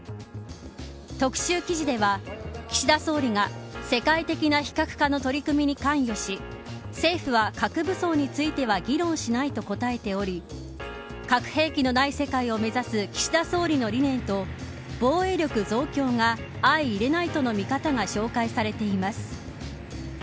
特集記事では岸田総理が世界的な非核化の取り組みに関与し政府は核武装については議論しないと答えており核兵器のない世界を目指す岸田総理の理念と防衛力増強が相容れないとの見方が紹介されています。